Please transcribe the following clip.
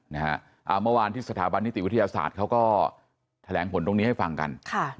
เมื่อวานที่สถาบันนิติวิทยาศาสตร์เขาก็แถลงผลตรงนี้ให้ฟังกัน